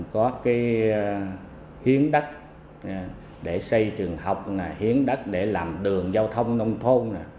có cái hiến đất để xây trường học hiến đất để làm đường giao thông nông thôn